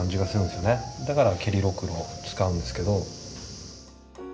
だから蹴りろくろを使うんですけど。